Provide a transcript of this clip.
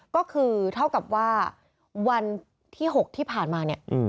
ก็คือเท่ากับว่าวันที่๖ที่ผ่านมาเนี่ย